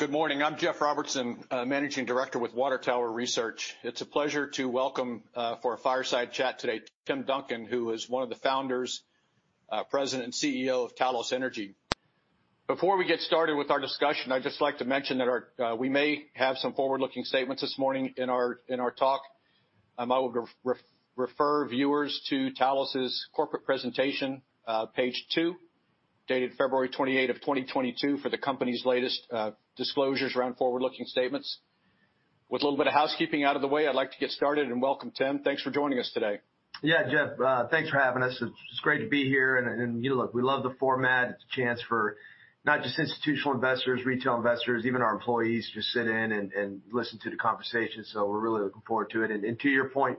Good morning. I'm Jeff Robertson, Managing Director with Water Tower Research. It's a pleasure to welcome for our fireside chat today, Tim Duncan, who is one of the founders, President, CEO of Talos Energy. Before we get started with our discussion, I'd just like to mention that we may have some forward-looking statements this morning in our talk. I will refer viewers to Talos' corporate presentation, page two, dated February 28 2022 for the company's latest disclosures around forward-looking statements. With a little bit of housekeeping out of the way, I'd like to get started and welcome, Tim. Thanks for joining us today. Yeah, Jeff, thanks for having us. It's great to be here. You know, look, we love the format. It's a chance for not just institutional investors, retail investors, even our employees to sit in and listen to the conversation. We're really looking forward to it. To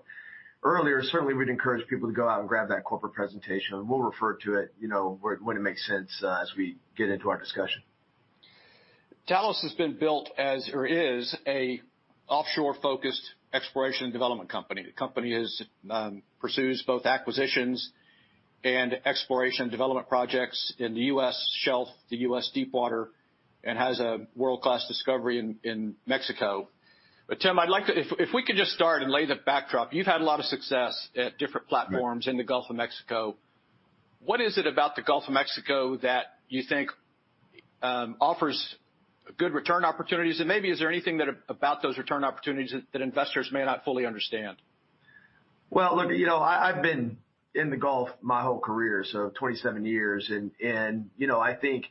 your point earlier, certainly, we'd encourage people to go out and grab that corporate presentation, and we'll refer to it, you know, when it makes sense, as we get into our discussion. Talos has been built as or is an offshore-focused exploration and development company. The company pursues both acquisitions and exploration development projects in the U.S. shelf, the U.S. deep water, and has a world-class discovery in Mexico. Tim, if we could just start and lay the backdrop. You've had a lot of success at different platforms. Yeah. in the Gulf of Mexico. What is it about the Gulf of Mexico that you think offers good return opportunities? Maybe is there anything about those return opportunities that investors may not fully understand? Well, look, you know, I've been in the Gulf my whole career, so 27 years. You know, I think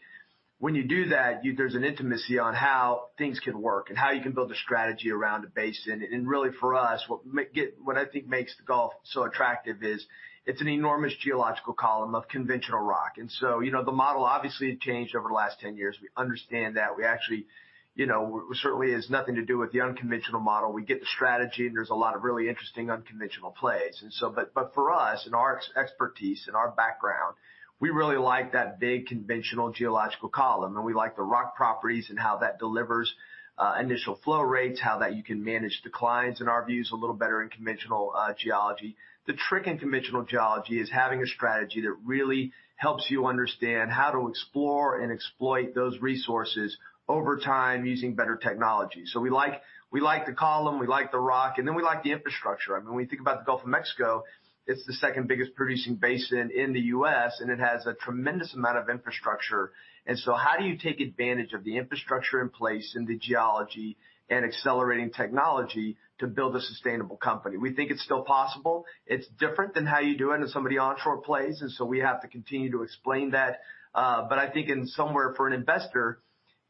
when you do that, there's an intimacy on how things can work and how you can build a strategy around a basin. Really for us, what I think makes the Gulf so attractive is it's an enormous geological column of conventional rock. You know, the model obviously had changed over the last 10 years. We understand that. We actually, you know, certainly has nothing to do with the unconventional model. We get the strategy, and there's a lot of really interesting unconventional plays. But for us and our expertise and our background, we really like that big conventional geological column, and we like the rock properties and how that delivers initial flow rates, how that you can manage declines in our views a little better in conventional geology. The trick in conventional geology is having a strategy that really helps you understand how to explore and exploit those resources over time using better technology. We like the column, we like the rock, and then we like the infrastructure. I mean, when you think about the Gulf of Mexico, it's the second biggest producing basin in the U.S., and it has a tremendous amount of infrastructure. How do you take advantage of the infrastructure in place and the geology and accelerating technology to build a sustainable company? We think it's still possible. It's different than how you do it in some of the onshore plays, and so we have to continue to explain that. But I think in somewhere for an investor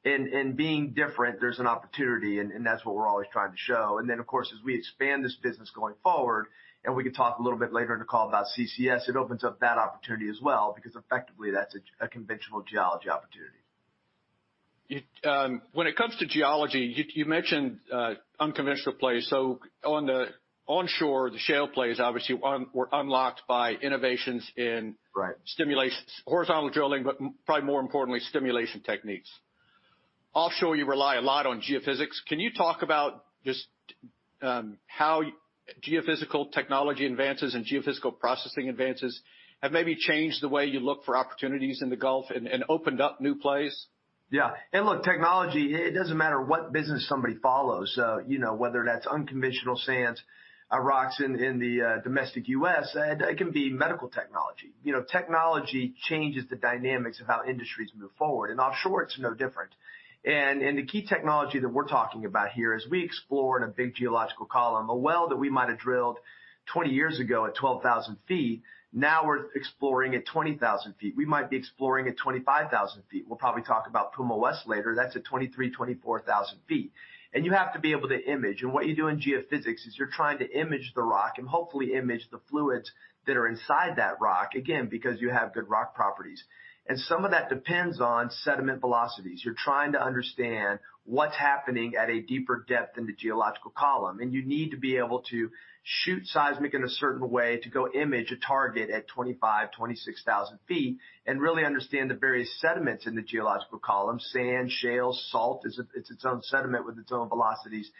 in being different, there's an opportunity, and that's what we're always trying to show. Of course, as we expand this business going forward, and we can talk a little bit later in the call about CCS, it opens up that opportunity as well because effectively that's a conventional geology opportunity. When it comes to geology, you mentioned unconventional plays. On the onshore, the shale plays obviously were unlocked by innovations in Right. ...stimulations, horizontal drilling, but more importantly, stimulation techniques. Offshore, you rely a lot on geophysics. Can you talk about just how geophysical technology advances and geophysical processing advances have maybe changed the way you look for opportunities in the Gulf and opened up new plays? Yeah. Look, technology, it doesn't matter what business somebody follows, you know, whether that's unconventional sands or rocks in the domestic U.S. It can be medical technology. You know, technology changes the dynamics of how industries move forward, and offshore it's no different. The key technology that we're talking about here is we explore in a big geological column. A well that we might have drilled 20 years ago at 12,000 feet, now we're exploring at 20,000 feet. We might be exploring at 25,000 feet. We'll probably talk about Puma West later. That's at 23,000, 24,000 feet. You have to be able to image. What you do in geophysics is you're trying to image the rock and hopefully image the fluids that are inside that rock, again, because you have good rock properties. Some of that depends on sediment velocities. You're trying to understand what's happening at a deeper depth in the geological column, and you need to be able to shoot seismic in a certain way to go image a target at 25,000 feet-26,000 feet and really understand the various sediments in the geological column. Sand, shale, salt is its own sediment with its own velocities.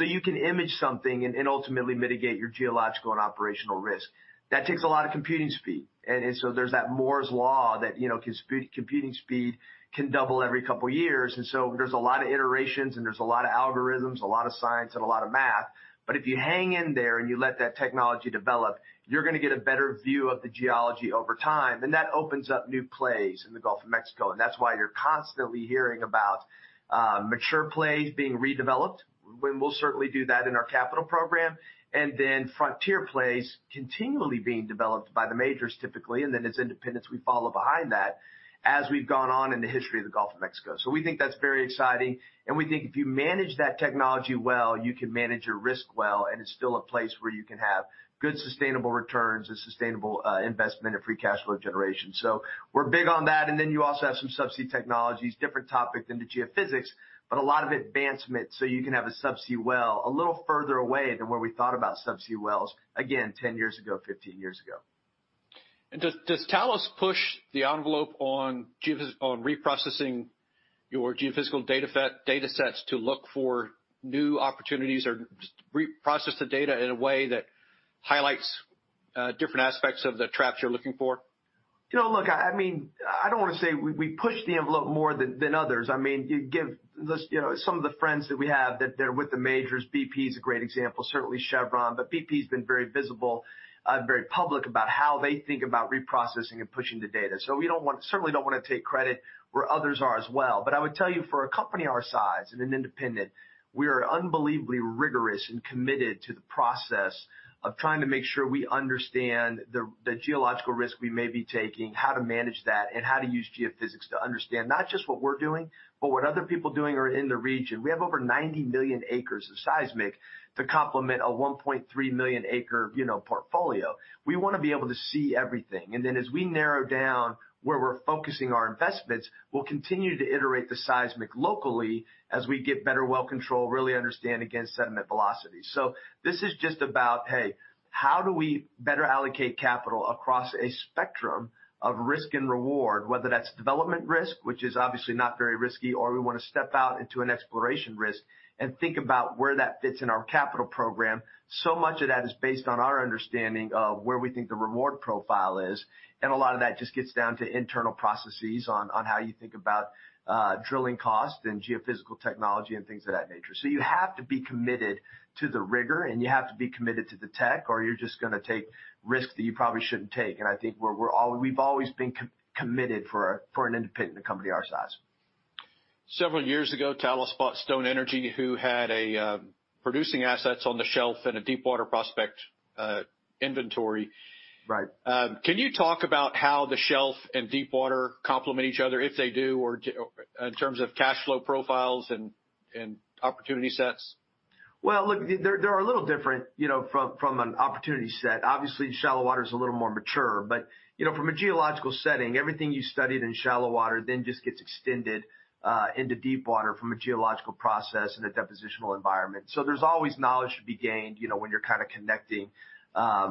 You can image something and ultimately mitigate your geological and operational risk. That takes a lot of computing speed. So there's that Moore's Law that, you know, computing speed can double every couple years. There's a lot of iterations, and there's a lot of algorithms, a lot of science, and a lot of math. If you hang in there and you let that technology develop, you're gonna get a better view of the geology over time, and that opens up new plays in the Gulf of Mexico. That's why you're constantly hearing about mature plays being redeveloped, when we'll certainly do that in our capital program, and then frontier plays continually being developed by the majors typically, and then as independents, we follow behind that, as we've gone on in the history of the Gulf of Mexico. We think that's very exciting, and we think if you manage that technology well, you can manage your risk well, and it's still a place where you can have good sustainable returns and sustainable investment and free cash flow generation. We're big on that. You also have some subsea technologies, different topic than the geophysics, but a lot of advancement so you can have a subsea well a little further away than where we thought about subsea wells, again, 10 years ago, 15 years ago. Does Talos push the envelope on reprocessing your geophysical data datasets to look for new opportunities or just reprocess the data in a way that highlights different aspects of the traps you're looking for? You know, look, I mean, I don't wanna say we push the envelope more than others. I mean, you give this, you know, some of the friends that we have that they're with the majors, BP is a great example, certainly Chevron. BP has been very visible, very public about how they think about reprocessing and pushing the data. We certainly don't wanna take credit where others are as well. I would tell you, for a company our size and an independent, we are unbelievably rigorous and committed to the process of trying to make sure we understand the geological risk we may be taking, how to manage that, and how to use geophysics to understand not just what we're doing, but what other people are doing in the region. We have over 90 million acres of seismic to complement a 1.3 million acre, you know, portfolio. We wanna be able to see everything. As we narrow down where we're focusing our investments, we'll continue to iterate the seismic locally as we get better well control, really understand against sediment velocity. This is just about, hey, how do we better allocate capital across a spectrum of risk and reward, whether that's development risk, which is obviously not very risky, or we wanna step out into an exploration risk and think about where that fits in our capital program. Much of that is based on our understanding of where we think the reward profile is, and a lot of that just gets down to internal processes on how you think about drilling costs and geophysical technology and things of that nature. You have to be committed to the rigor, and you have to be committed to the tech, or you're just gonna take risks that you probably shouldn't take. I think we've always been committed for an independent company our size. Several years ago, Talos bought Stone Energy, who had a producing assets on the shelf and a deepwater prospect inventory. Right. Can you talk about how the shelf and deepwater complement each other, if they do, in terms of cash flow profiles and opportunity sets? Well, look, they're a little different, you know, from an opportunity set. Obviously, shallow water is a little more mature. You know, from a geological setting, everything you studied in shallow water then just gets extended into deepwater from a geological process in a depositional environment. There's always knowledge to be gained, you know, when you're kinda connecting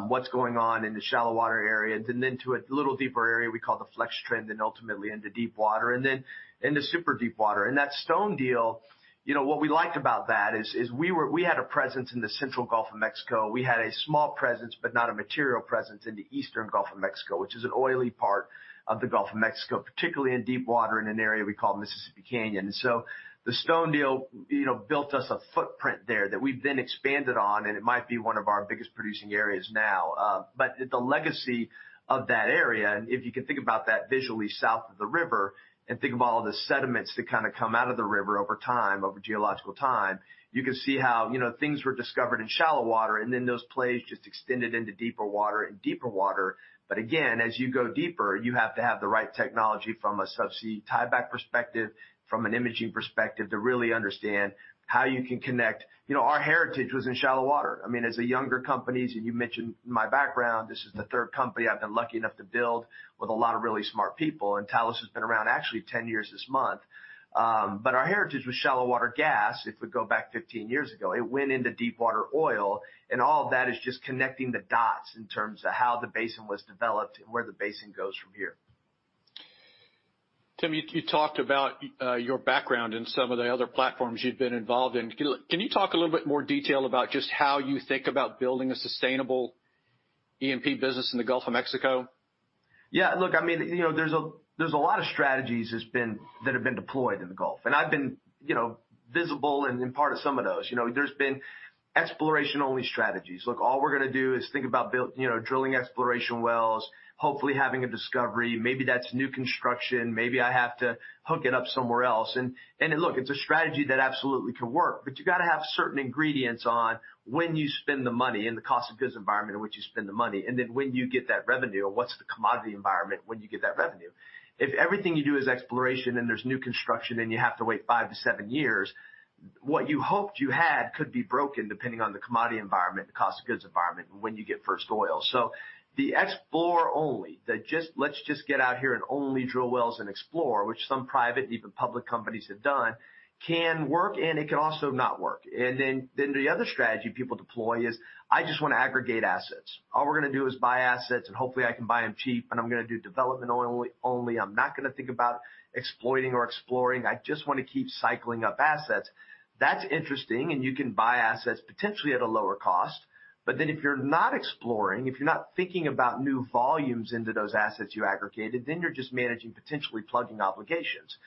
what's going on in the shallow water area and then to a little deeper area we call the flex trend, and ultimately into deepwater, and then into super deepwater. That Stone deal, you know, what we liked about that is we had a presence in the central Gulf of Mexico. We had a small presence, but not a material presence in the eastern Gulf of Mexico, which is an oily part of the Gulf of Mexico, particularly in deepwater in an area we call Mississippi Canyon. The Stone deal, you know, built us a footprint there that we've then expanded on, and it might be one of our biggest producing areas now. The legacy of that area, and if you can think about that visually south of the river and think about all the sediments that kinda come out of the river over time, over geological time, you can see how, you know, things were discovered in shallow water, and then those plays just extended into deeper water and deeper water. Again, as you go deeper, you have to have the right technology from a subsea tieback perspective, from an imaging perspective to really understand how you can connect. You know, our heritage was in shallow water. I mean, as a younger company, as you mentioned my background, this is the third company I've been lucky enough to build with a lot of really smart people. Talos has been around actually 10 years this month. Our heritage was shallow water gas, if we go back 15 years ago. It went into deepwater oil, and all of that is just connecting the dots in terms of how the basin was developed and where the basin goes from here. Tim, you talked about your background in some of the other platforms you've been involved in. Can you talk a little bit more detail about just how you think about building a sustainable E&P business in the Gulf of Mexico? Yeah. Look, I mean, you know, there's a lot of strategies that have been deployed in the Gulf. I've been, you know, visible and a part of some of those. You know, there's been exploration-only strategies. "Look, all we're gonna do is think about you know, drilling exploration wells, hopefully having a discovery. Maybe that's new construction. Maybe I have to hook it up somewhere else." Look, it's a strategy that absolutely can work, but you gotta have certain ingredients on when you spend the money and the cost of goods environment in which you spend the money, and then when you get that revenue or what's the commodity environment when you get that revenue. If everything you do is exploration, and there's new construction, and you have to wait five to seven years, what you hoped you had could be broken depending on the commodity environment, the cost of goods environment, and when you get first oil. The explore only, the just let's just get out here and only drill wells and explore, which some private, even public companies have done, can work, and it can also not work. The other strategy people deploy is, "I just wanna aggregate assets. All we're gonna do is buy assets, and hopefully, I can buy them cheap, and I'm gonna do development only. I'm not gonna think about exploiting or exploring. I just wanna keep cycling up assets." That's interesting, and you can buy assets potentially at a lower cost. If you're not exploring, if you're not thinking about new volumes into those assets you aggregated, then you're just managing potentially plugging obligations.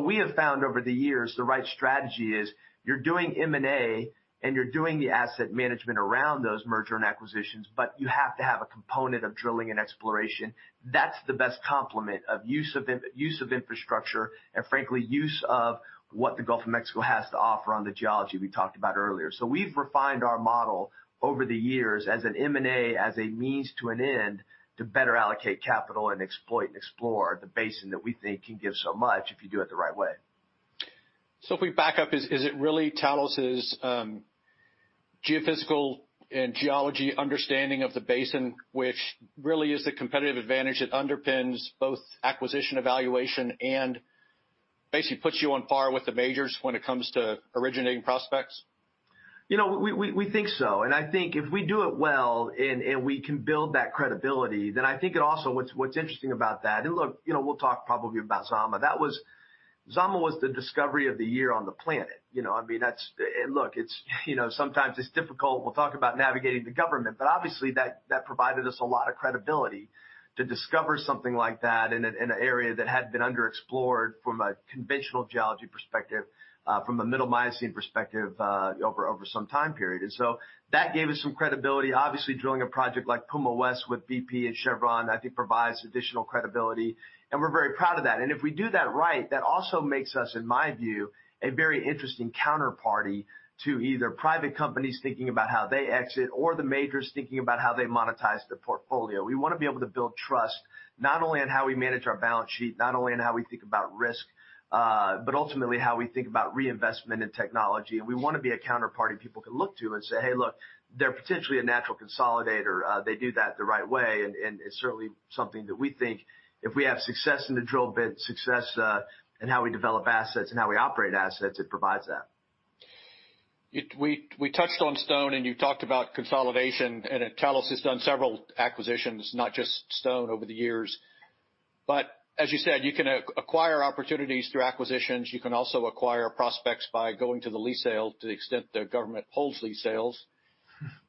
We have found over the years, the right strategy is you're doing M&A, and you're doing the asset management around those mergers and acquisitions, but you have to have a component of drilling and exploration. That's the best complement of use of infrastructure and frankly, use of what the Gulf of Mexico has to offer on the geology we talked about earlier. We've refined our model over the years as an M&A, as a means to an end to better allocate capital and exploit and explore the basin that we think can give so much if you do it the right way. If we back up, is it really Talos' geophysical and geology understanding of the basin which really is the competitive advantage that underpins both acquisition evaluation and basically puts you on par with the majors when it comes to originating prospects? You know, we think so. I think if we do it well and we can build that credibility, then I think it's also what's interesting about that. Look, you know, we'll talk probably about Zama. That was. Zama was the discovery of the year on the planet. You know, I mean, that's. Look, it's, you know, sometimes it's difficult. We'll talk about navigating the government, but obviously that provided us a lot of credibility to discover something like that in an area that had been underexplored from a conventional geology perspective, from a Middle Miocene perspective, over some time period. That gave us some credibility. Obviously, drilling a project like Puma West with BP and Chevron, I think provides additional credibility, and we're very proud of that. If we do that right, that also makes us, in my view, a very interesting counterparty to either private companies thinking about how they exit or the majors thinking about how they monetize their portfolio. We wanna be able to build trust not only in how we manage our balance sheet, not only in how we think about risk, but ultimately how we think about reinvestment in technology. We wanna be a counterparty people can look to and say, "Hey, look, they're potentially a natural consolidator. They do that the right way." It's certainly something that we think if we have success in the drill bit, success in how we develop assets and how we operate assets, it provides that. We touched on Stone, and you talked about consolidation, and Talos has done several acquisitions, not just Stone over the years. As you said, you can acquire opportunities through acquisitions. You can also acquire prospects by going to the lease sale to the extent the government holds lease sales.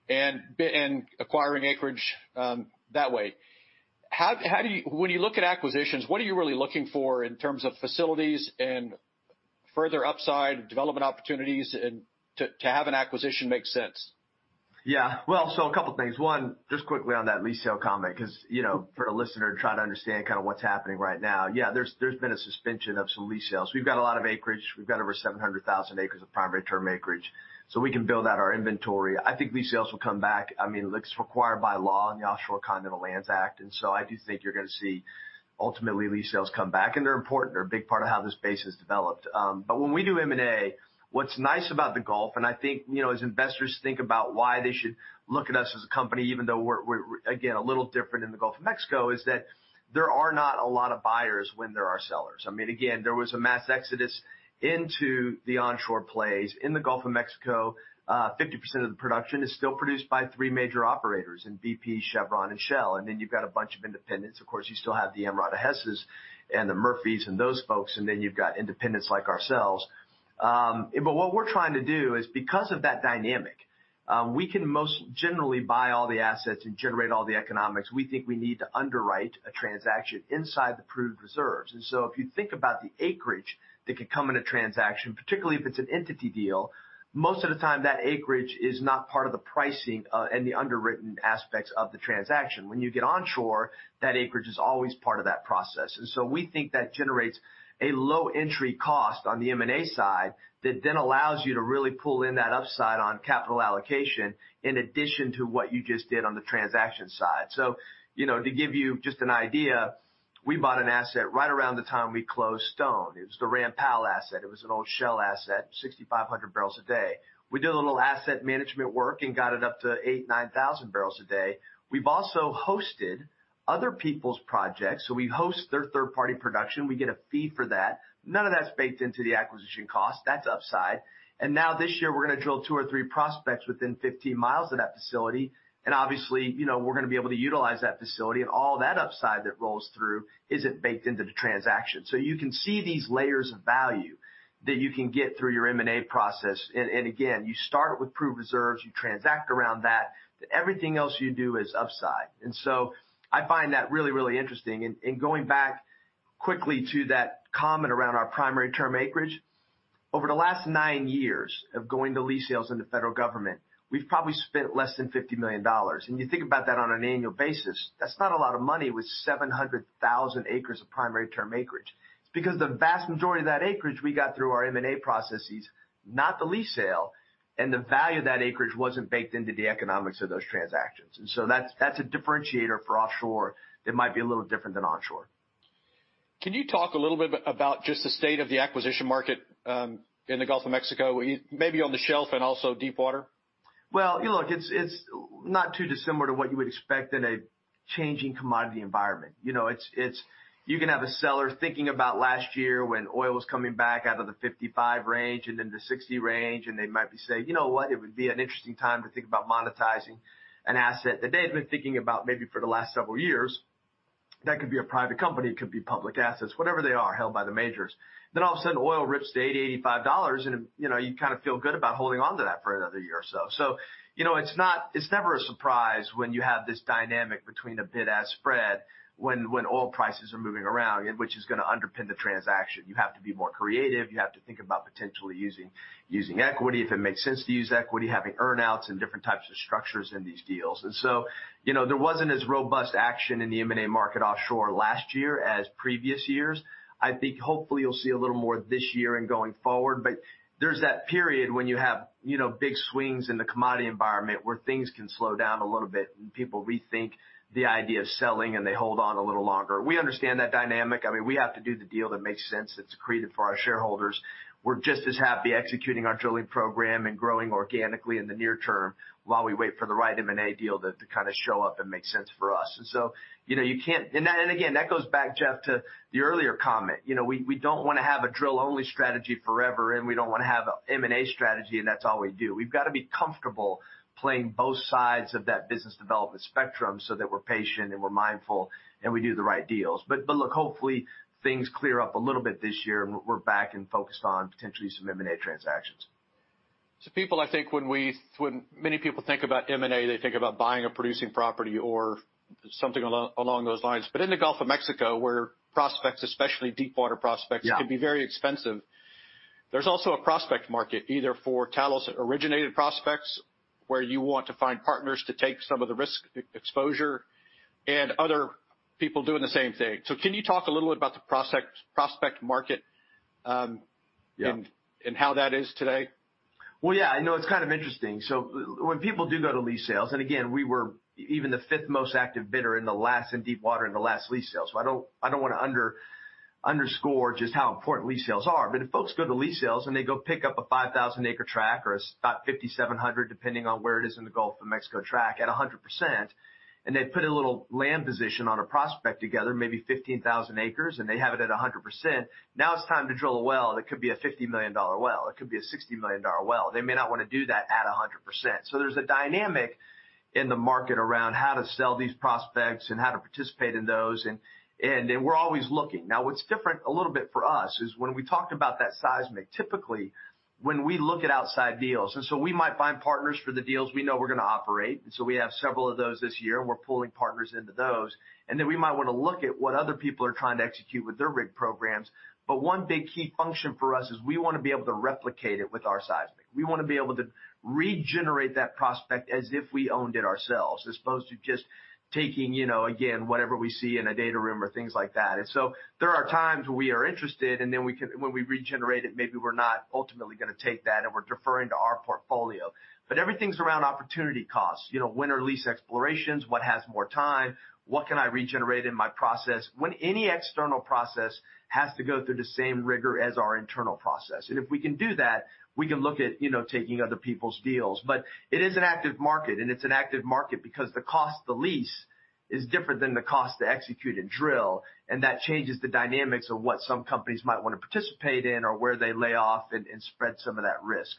Mm-hmm. Acquiring acreage that way. How do you, when you look at acquisitions, what are you really looking for in terms of facilities and further upside development opportunities to have an acquisition make sense? Yeah. Well, a couple things. One, just quickly on that lease sale comment, 'cause, you know, for a listener trying to understand kinda what's happening right now, yeah, there's been a suspension of some lease sales. We've got a lot of acreage. We've got over 700,000 acres of primary term acreage, so we can build out our inventory. I think lease sales will come back. I mean, look, it's required by law in the Outer Continental Shelf Lands Act, and I do think you're gonna see ultimately lease sales come back, and they're important. They're a big part of how this basin has developed. When we do M&A, what's nice about the Gulf, and I think, you know, as investors think about why they should look at us as a company, even though we're again, a little different in the Gulf of Mexico, is that there are not a lot of buyers when there are sellers. I mean, again, there was a mass exodus into the onshore plays. In the Gulf of Mexico, 50% of the production is still produced by three major operators in BP, Chevron, and Shell. Then you've got a bunch of independents. Of course, you still have the Amerada Hess and the Murphys and those folks, and then you've got independents like ourselves. What we're trying to do is because of that dynamic, we can most generally buy all the assets and generate all the economics we think we need to underwrite a transaction inside the proved reserves. If you think about the acreage that could come in a transaction, particularly if it's an entity deal, most of the time that acreage is not part of the pricing, and the underwritten aspects of the transaction. When you get onshore, that acreage is always part of that process. We think that generates a low entry cost on the M&A side that then allows you to really pull in that upside on capital allocation in addition to what you just did on the transaction side. You know, to give you just an idea, we bought an asset right around the time we closed Stone. It was the Ram Powell asset. It was an old Shell asset, 6,500 barrels a day. We did a little asset management work and got it up to 8,000-9,000 barrels a day. We've also hosted other people's projects, so we host their third-party production. We get a fee for that. None of that's baked into the acquisition cost. That's upside. Now this year we're gonna drill two or three prospects within 15 miles of that facility. Obviously, you know, we're gonna be able to utilize that facility and all that upside that rolls through isn't baked into the transaction. You can see these layers of value that you can get through your M&A process. Again, you start with proved reserves, you transact around that, everything else you do is upside. I find that really, really interesting. Going back quickly to that comment around our primary term acreage. Over the last nine years of going to lease sales in the federal government, we've probably spent less than $50 million. You think about that on an annual basis, that's not a lot of money with 700,000 acres of primary term acreage. It's because the vast majority of that acreage we got through our M&A processes, not the lease sale, and the value of that acreage wasn't baked into the economics of those transactions. That's a differentiator for offshore that might be a little different than onshore. Can you talk a little bit about just the state of the acquisition market in the Gulf of Mexico, maybe on the shelf and also deepwater? Well, look, it's not too dissimilar to what you would expect in a changing commodity environment. You know, it's. You can have a seller thinking about last year when oil was coming back out of the $55 range and then the $60 range, and they might be saying, "You know what? It would be an interesting time to think about monetizing an asset," that they had been thinking about maybe for the last several years. That could be a private company, it could be public assets, whatever they are, held by the majors. Then all of a sudden, oil rips to $80-$85 and, you know, you kinda feel good about holding onto that for another year or so. You know, it's never a surprise when you have this dynamic between a bid-ask spread when oil prices are moving around, which is gonna underpin the transaction. You have to be more creative. You have to think about potentially using equity, if it makes sense to use equity, having earn-outs and different types of structures in these deals. You know, there wasn't as robust action in the M&A market offshore last year as previous years. I think hopefully you'll see a little more this year and going forward, but there's that period when you have, you know, big swings in the commodity environment where things can slow down a little bit and people rethink the idea of selling and they hold on a little longer. We understand that dynamic. I mean, we have to do the deal that makes sense, that's accretive for our shareholders. We're just as happy executing our drilling program and growing organically in the near term while we wait for the right M&A deal to kinda show up and make sense for us. You know, you can't. Again, that goes back, Jeff, to the earlier comment. You know, we don't wanna have a drill-only strategy forever, and we don't wanna have a M&A strategy, and that's all we do. We've gotta be comfortable playing both sides of that business development spectrum so that we're patient and we're mindful, and we do the right deals. But look, hopefully things clear up a little bit this year and we're back and focused on potentially some M&A transactions. People, I think when many people think about M&A, they think about buying a producing property or something along those lines. In the Gulf of Mexico, where prospects, especially deepwater prospects Yeah... can be very expensive, there's also a prospect market, either for Talos-originated prospects, where you want to find partners to take some of the risk exposure and other people doing the same thing. Can you talk a little bit about the prospect market? Yeah ...how that is today? Well, yeah. No, it's kind of interesting. When people do go to lease sales, and again, we were even the fifth most active bidder in deepwater in the last lease sale. I don't wanna understate just how important lease sales are. If folks go to lease sales and they go pick up a 5,000-acre tract or about 5,700, depending on where it is in the Gulf of Mexico tract, at 100%, and they put a little land position on a prospect together, maybe 15,000 acres, and they have it at 100%, now it's time to drill a well, and it could be a $50 million well. It could be a $60 million well. They may not wanna do that at 100%. There's a dynamic in the market around how to sell these prospects and how to participate in those, and we're always looking. Now, what's different a little bit for us is when we talked about that seismic, typically, when we look at outside deals, we might find partners for the deals we know we're gonna operate, and so we have several of those this year, and we're pulling partners into those. We might wanna look at what other people are trying to execute with their rig programs. One big key function for us is we wanna be able to replicate it with our seismic. We wanna be able to regenerate that prospect as if we owned it ourselves, as opposed to just taking, you know, again, whatever we see in a data room or things like that. There are times where we are interested, and then we can, when we regenerate it, maybe we're not ultimately gonna take that, and we're deferring to our portfolio. Everything's around opportunity costs. You know, when are lease explorations? What has more time? What can I regenerate in my process? When any external process has to go through the same rigor as our internal process. If we can do that, we can look at, you know, taking other people's deals. It is an active market, and it's an active market because the cost to lease is different than the cost to execute and drill, and that changes the dynamics of what some companies might wanna participate in or where they lay off and spread some of that risk.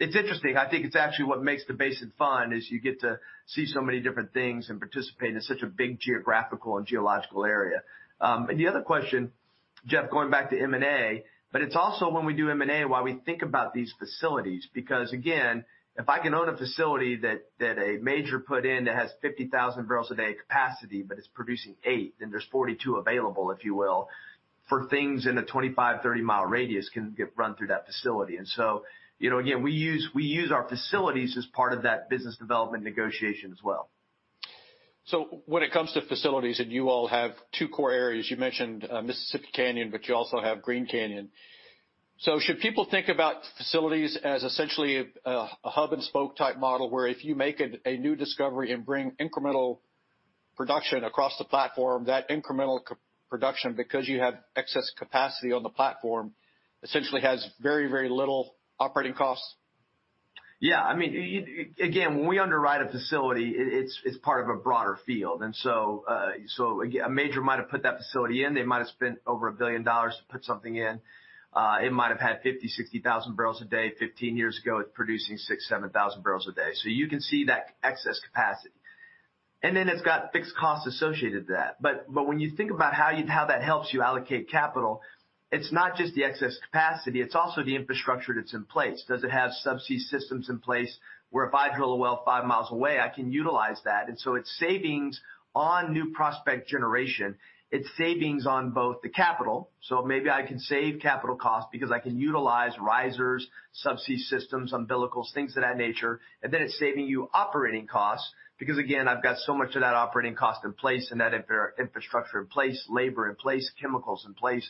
It's interesting. I think it's actually what makes the basin fun, is you get to see so many different things and participate in such a big geographical and geological area. The other question, Jeff, going back to M&A, but it's also when we do M&A, why we think about these facilities. Because again, if I can own a facility that a major put in that has 50,000 barrels a day capacity, but it's producing eight, then there's 42 available, if you will, for things in a 25 to 30-mile radius can get run through that facility. You know, again, we use our facilities as part of that business development negotiation as well. When it comes to facilities, and you all have two core areas, you mentioned Mississippi Canyon, but you also have Green Canyon. Should people think about facilities as essentially a hub and spoke type model, where if you make a new discovery and bring incremental production across the platform, that incremental production, because you have excess capacity on the platform, essentially has very, very little operating costs? Yeah. I mean, again, when we underwrite a facility, it's part of a broader field. A major might have put that facility in. They might have spent over $1 billion to put something in. It might have had 50,000-60,000 barrels a day 15 years ago. It's producing 6,000-7,000 barrels a day. You can see that excess capacity. Then it's got fixed costs associated to that. When you think about how that helps you allocate capital, it's not just the excess capacity, it's also the infrastructure that's in place. Does it have subsea systems in place where if I drill a well five miles away, I can utilize that? It's savings on new prospect generation. It's savings on both the capital. Maybe I can save capital costs because I can utilize risers, subsea systems, umbilicals, things of that nature. It's saving you operating costs because, again, I've got so much of that operating cost in place and that infrastructure in place, labor in place, chemicals in place,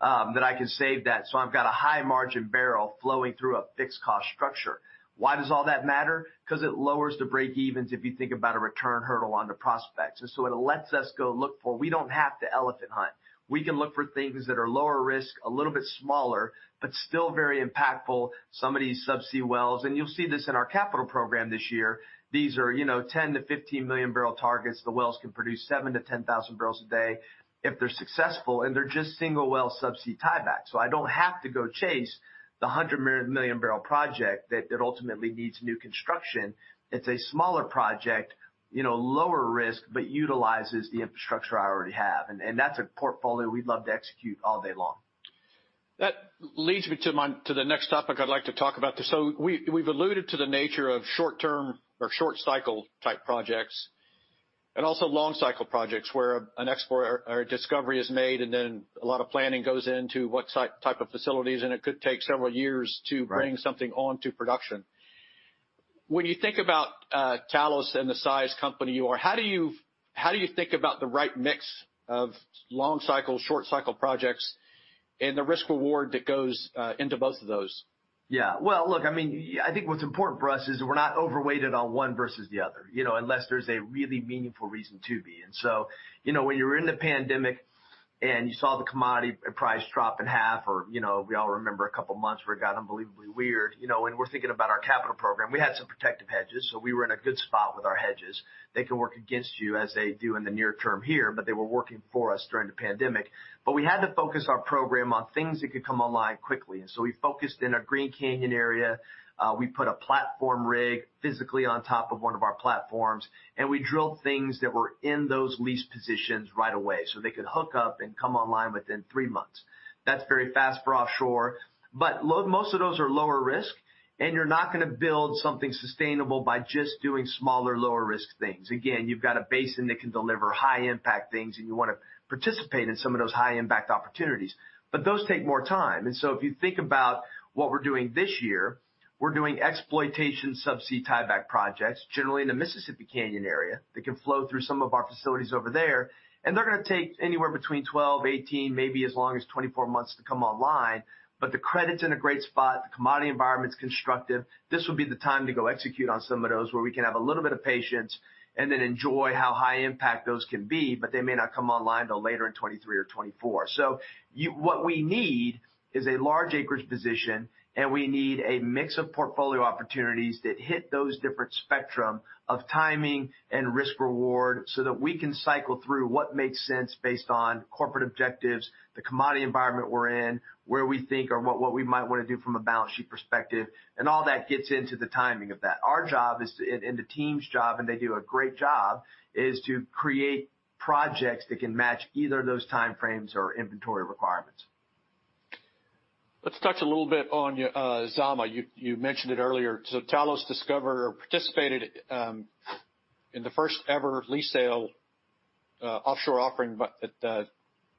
that I can save that. I've got a high-margin barrel flowing through a fixed cost structure. Why does all that matter? Because it lowers the breakevens if you think about a return hurdle on the prospects. It lets us go look for. We don't have to elephant hunt. We can look for things that are lower risk, a little bit smaller, but still very impactful, some of these subsea wells. You'll see this in our capital program this year. These are, you know, 10 million-15 million barrel targets. The wells can produce 7,000-10,000 barrels a day if they're successful, and they're just single well subsea tie-backs. I don't have to go chase the 100 million-barrel project that ultimately needs new construction. It's a smaller project, you know, lower risk, but utilizes the infrastructure I already have. That's a portfolio we'd love to execute all day long. That leads me to the next topic I'd like to talk about. We've alluded to the nature of short-term or short cycle type projects and also long cycle projects where an exploration or a discovery is made, and then a lot of planning goes into what type of facilities, and it could take several years to- Right... bring something onto production. When you think about Talos and the size company you are, how do you think about the right mix of long cycle, short cycle projects and the risk reward that goes into both of those? Yeah. Well, look, I mean, I think what's important for us is we're not overweighted on one versus the other, you know, unless there's a really meaningful reason to be. You know, when you were in the pandemic and you saw the commodity price drop in half or, you know, we all remember a couple months where it got unbelievably weird, you know, when we're thinking about our capital program, we had some protective hedges, so we were in a good spot with our hedges. They can work against you, as they do in the near term here, but they were working for us during the pandemic. We had to focus our program on things that could come online quickly. We focused in our Green Canyon area. We put a platform rig physically on top of one of our platforms, and we drilled things that were in those lease positions right away, so they could hook up and come online within three months. That's very fast for offshore. Most of those are lower risk, and you're not gonna build something sustainable by just doing smaller, lower risk things. You've got a basin that can deliver high impact things, and you wanna participate in some of those high impact opportunities. Those take more time. If you think about what we're doing this year, we're doing exploitation subsea tieback projects, generally in the Mississippi Canyon area, that can flow through some of our facilities over there. They're gonna take anywhere between 12, 18, maybe as long as 24 months to come online. The credit's in a great spot, the commodity environment's constructive. This would be the time to go execute on some of those, where we can have a little bit of patience and then enjoy how high impact those can be, but they may not come online till later in 2023 or 2024. What we need is a large acreage position, and we need a mix of portfolio opportunities that hit those different spectrum of timing and risk reward so that we can cycle through what makes sense based on corporate objectives, the commodity environment we're in, where we think or what we might wanna do from a balance sheet perspective, and all that gets into the timing of that. Our job is, the team's job, and they do a great job, is to create projects that can match either of those time frames or inventory requirements. Let's touch a little bit on Zama. You mentioned it earlier. Talos discovered. We participated in the first ever lease sale, offshore offering. Yeah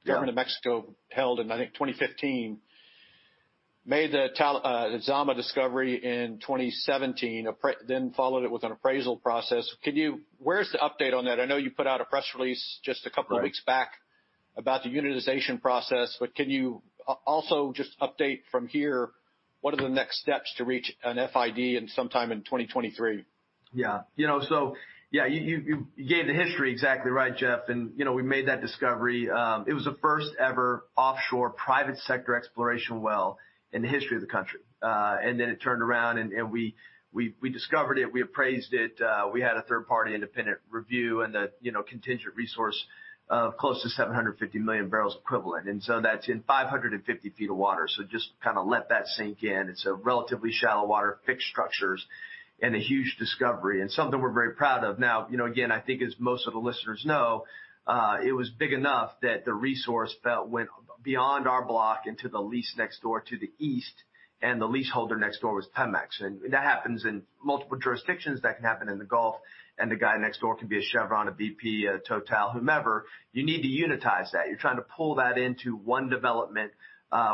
The government of Mexico held in, I think, 2015. Made the Zama discovery in 2017, then followed it with an appraisal process. Where's the update on that? I know you put out a press release just a couple of weeks back. Right about the unitization process, can you also just update from here, what are the next steps to reach an FID sometime in 2023? Yeah. You know, so, yeah, you gave the history exactly right, Jeff. You know, we made that discovery. It was the first ever offshore private sector exploration well in the history of the country. It turned around and we discovered it, we appraised it, we had a third-party independent review and the contingent resource of close to 750 million barrels equivalent. That's in 550 feet of water, so just kinda let that sink in. It's a relatively shallow water, fixed structures, and a huge discovery, and something we're very proud of. Now, you know, again, I think as most of the listeners know, it was big enough that the resource went beyond our block into the lease next door to the east, and the lease holder next door was Pemex. That happens in multiple jurisdictions. That can happen in the Gulf, and the guy next door can be a Chevron, a BP, a Total, whomever. You need to unitize that. You're trying to pull that into one development,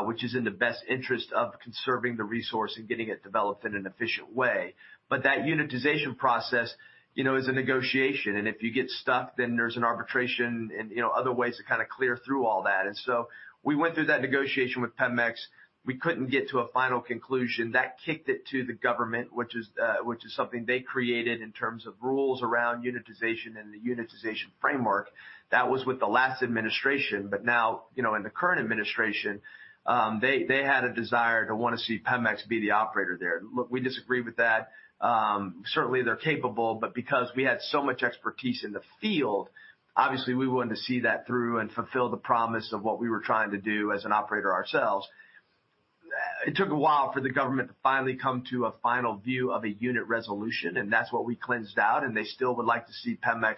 which is in the best interest of conserving the resource and getting it developed in an efficient way. That unitization process, you know, is a negotiation, and if you get stuck, then there's an arbitration and, you know, other ways to kinda clear through all that. We went through that negotiation with Pemex. We couldn't get to a final conclusion. That kicked it to the government, which is something they created in terms of rules around unitization and the unitization framework. That was with the last administration, but now, you know, in the current administration, they had a desire to wanna see Pemex be the operator there. Look, we disagree with that. Certainly, they're capable, but because we had so much expertise in the field, obviously, we wanted to see that through and fulfill the promise of what we were trying to do as an operator ourselves. It took a while for the government to finally come to a final view of a unit resolution, and that's what we cleansed out, and they still would like to see Pemex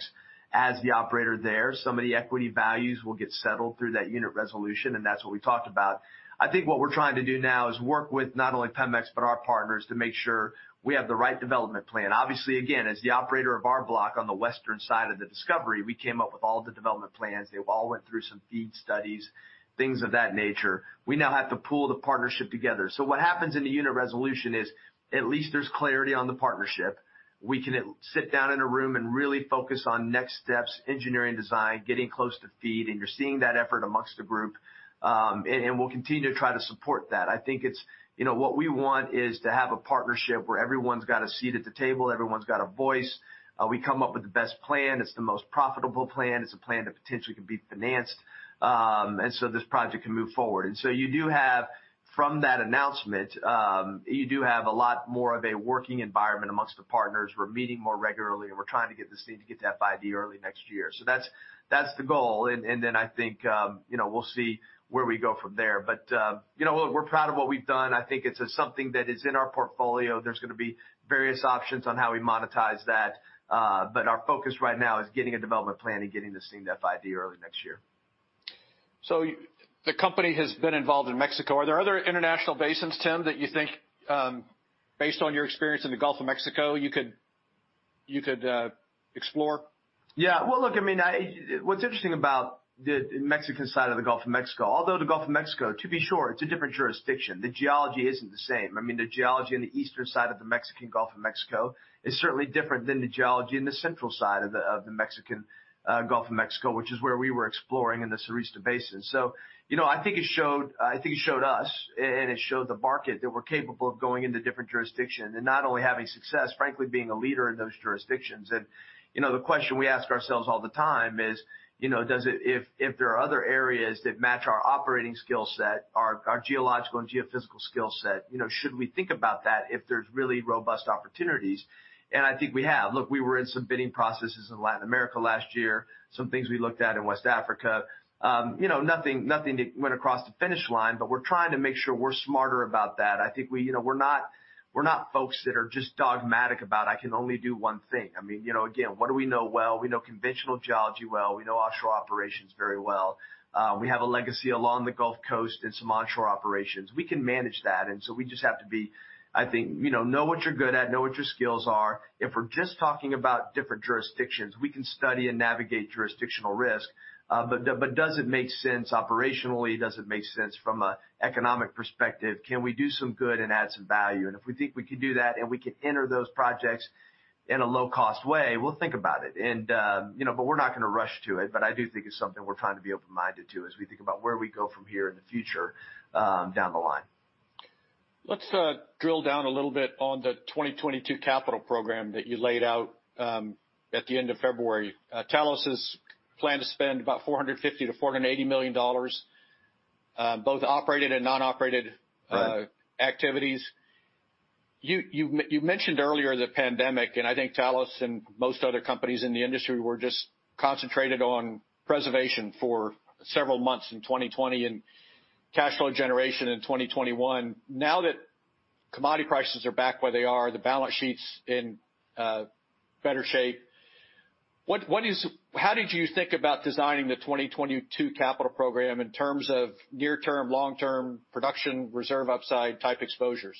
as the operator there. Some of the equity values will get settled through that unit resolution, and that's what we talked about. I think what we're trying to do now is work with not only Pemex, but our partners, to make sure we have the right development plan. Obviously, again, as the operator of our block on the western side of the discovery, we came up with all the development plans. They all went through some FEED studies, things of that nature. We now have to pull the partnership together. What happens in the unit resolution is at least there's clarity on the partnership. We can sit down in a room and really focus on next steps, engineering design, getting close to FEED, and you're seeing that effort amongst the group. We'll continue to try to support that. I think it's, you know, what we want is to have a partnership where everyone's got a seat at the table, everyone's got a voice. We come up with the best plan, it's the most profitable plan, it's a plan that potentially can be financed, and this project can move forward. You do have, from that announcement, a lot more of a working environment among the partners. We're meeting more regularly, and we're trying to get this thing to FID early next year. That's the goal. Then I think, you know, we'll see where we go from there. You know, look, we're proud of what we've done. I think it's something that is in our portfolio. There's gonna be various options on how we monetize that, but our focus right now is getting a development plan and getting this thing to FID early next year. The company has been involved in Mexico. Are there other international basins, Tim, that you think, based on your experience in the Gulf of Mexico, you could explore? Yeah. Well, look, I mean, what's interesting about the Mexican side of the Gulf of Mexico, although the Gulf of Mexico, to be sure, it's a different jurisdiction. The geology isn't the same. I mean, the geology in the eastern side of the Mexican Gulf of Mexico is certainly different than the geology in the central side of the Mexican Gulf of Mexico, which is where we were exploring in the Sureste Basin. You know, I think it showed us and it showed the market that we're capable of going into different jurisdiction and not only having success, frankly, being a leader in those jurisdictions. You know, the question we ask ourselves all the time is, you know, if there are other areas that match our operating skill set, our geological and geophysical skill set, you know, should we think about that if there's really robust opportunities? I think we have. Look, we were in some bidding processes in Latin America last year, some things we looked at in West Africa. You know, nothing that went across the finish line, but we're trying to make sure we're smarter about that. I think, you know, we're not folks that are just dogmatic about, "I can only do one thing." I mean, you know, again, what do we know well? We know conventional geology well, we know offshore operations very well. We have a legacy along the Gulf Coast and some onshore operations. We can manage that, and so we just have to be, I think. You know what you're good at, know what your skills are. If we're just talking about different jurisdictions, we can study and navigate jurisdictional risk. But does it make sense operationally? Does it make sense from an economic perspective? Can we do some good and add some value? If we think we can do that, and we can enter those projects in a low cost way, we'll think about it. You know, but we're not gonna rush to it. But I do think it's something we're trying to be open-minded to as we think about where we go from here in the future, down the line. Let's drill down a little bit on the 2022 capital program that you laid out at the end of February. Talos' plan to spend about $450 million-$480 million both operated and non-operated. Right activities. You mentioned earlier the pandemic, and I think Talos and most other companies in the industry were just concentrated on preservation for several months in 2020 and cash flow generation in 2021. Now that commodity prices are back where they are, the balance sheet's in better shape. How did you think about designing the 2022 capital program in terms of near term, long term production reserve upside type exposures?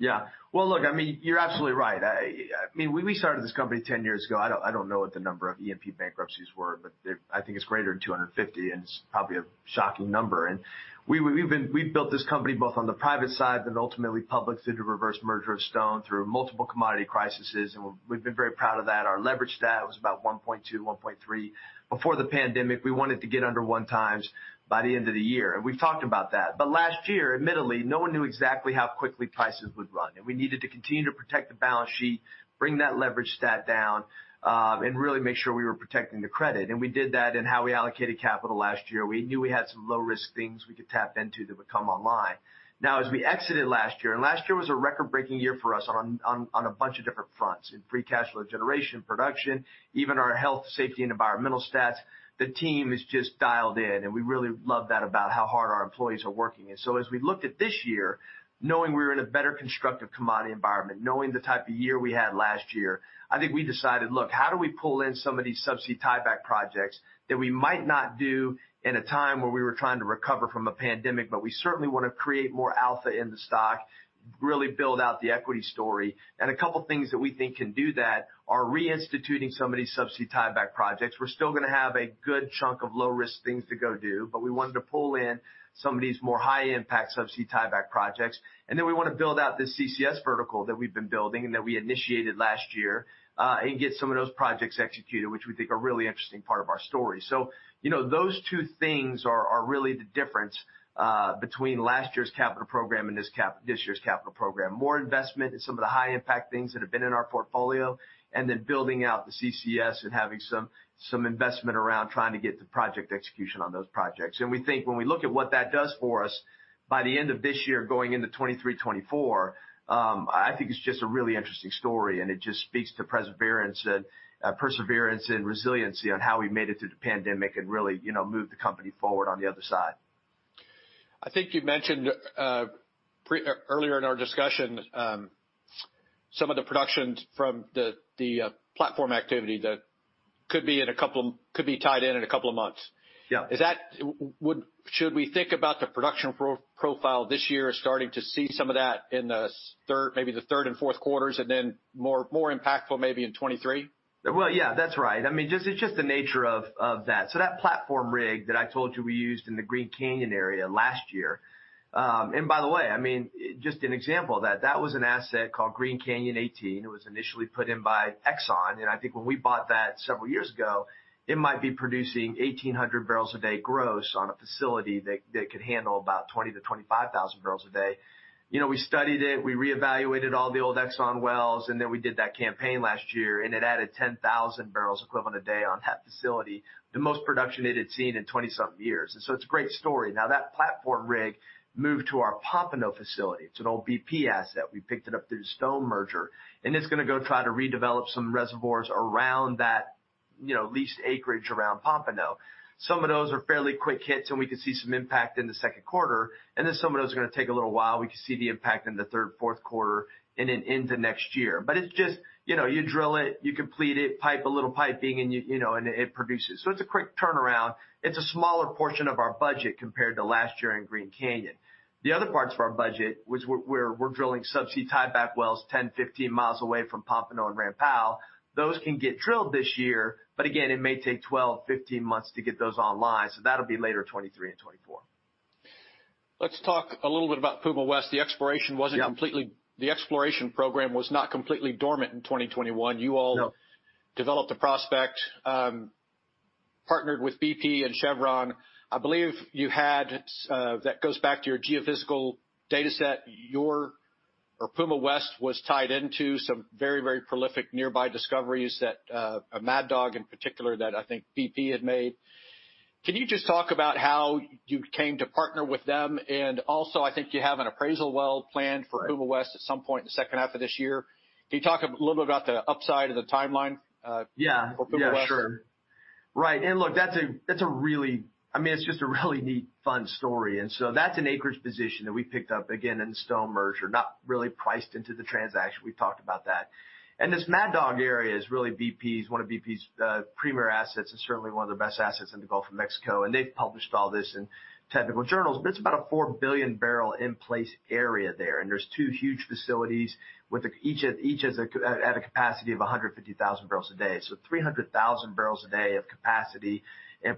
Yeah. Well, look, I mean, you're absolutely right. I mean, when we started this company 10 years ago, I don't know what the number of E&P bankruptcies were, but there. I think it's greater than 250, and it's probably a shocking number. We've built this company both on the private side and ultimately public through the reverse merger of Stone, through multiple commodity crises. We've been very proud of that. Our leverage debt was about 1.2%, 1.3%. Before the pandemic, we wanted to get under 1x by the end of the year, and we've talked about that. Last year, admittedly, no one knew exactly how quickly prices would run, and we needed to continue to protect the balance sheet, bring that leverage debt down, and really make sure we were protecting the credit. We did that in how we allocated capital last year. We knew we had some low-risk things we could tap into that would come online. Now, as we exited last year, and last year was a record-breaking year for us on a bunch of different fronts, in free cash flow generation, production, even our health, safety and environmental stats. The team is just dialed in, and we really love that about how hard our employees are working. As we looked at this year, knowing we were in a better constructive commodity environment, knowing the type of year we had last year, I think we decided, look, how do we pull in some of these subsea tieback projects that we might not do in a time where we were trying to recover from a pandemic, but we certainly wanna create more alpha in the stock, really build out the equity story. A couple of things that we think can do that are reinstituting some of these subsea tieback projects. We're still gonna have a good chunk of low-risk things to go do, but we wanted to pull in some of these more high impact subsea tieback projects. We wanna build out this CCS vertical that we've been building and that we initiated last year, and get some of those projects executed, which we think are a really interesting part of our story. You know, those two things are really the difference between last year's capital program and this year's capital program. More investment in some of the high-impact things that have been in our portfolio, and then building out the CCS and having some investment around trying to get the project execution on those projects. We think when we look at what that does for us, by the end of this year, going into 2023, 2024, I think it's just a really interesting story, and it just speaks to perseverance and resiliency on how we made it through the pandemic and really, you know, moved the company forward on the other side. I think you mentioned earlier in our discussion some of the productions from the platform activity that could be tied in a couple of months. Yeah. Should we think about the production profile this year as starting to see some of that in the third, maybe the third and fourth quarters and then more impactful maybe in 2023? Well, yeah, that's right. I mean, it's just the nature of that. That platform rig that I told you we used in the Green Canyon area last year. By the way, I mean, just an example of that was an asset called Green Canyon 18. It was initially put in by Exxon. I think when we bought that several years ago, it might be producing 1,800 barrels a day gross on a facility that could handle about 20,000-25,000 barrels a day. You know, we studied it, we reevaluated all the old Exxon wells, and then we did that campaign last year, and it added 10,000 barrels equivalent a day on that facility, the most production it had seen in 20-something years. It's a great story. Now, that platform rig moved to our Pompano facility. It's an old BP asset. We picked it up through the Stone merger, and it's gonna go try to redevelop some reservoirs around that, you know, leased acreage around Pompano. Some of those are fairly quick hits, and we can see some impact in the second quarter. Then some of those are gonna take a little while. We could see the impact in the third, fourth quarter and then into next year. It's just, you know, you drill it, you complete it, pipe a little piping and you know, and it produces. It's a quick turnaround. It's a smaller portion of our budget compared to last year in Green Canyon. The other parts of our budget, which we're drilling subsea tieback wells 10 miles, 15 miles away from Pompano and Ram Powell. Those can get drilled this year, but again, it may take 12-15 months to get those online, so that'll be later 2023 and 2024. Let's talk a little bit about Puma West. The exploration wasn't completely. Yeah. The exploration program was not completely dormant in 2021. No. You all developed a prospect, partnered with BP and Chevron. I believe that goes back to your geophysical data set. Or Puma West was tied into some very, very prolific nearby discoveries that Mad Dog in particular, that I think BP had made. Can you just talk about how you came to partner with them? Also, I think you have an appraisal well planned for Puma West at some point in the second half of this year. Can you talk a little bit about the upside of the timeline? Yeah. For Puma West? Right. Look, that's a really neat, fun story. I mean, it's just a really neat, fun story. That's an acreage position that we picked up, again, in the Stone merger, not really priced into the transaction. We've talked about that. This Mad Dog area is really BP's, one of BP's premier assets, and certainly one of the best assets in the Gulf of Mexico. They've published all this in technical journals. It's about a 4 billion barrel in place area there. There's two huge facilities. Each has a capacity of 150,000 barrels a day. 300,000 barrels a day of capacity and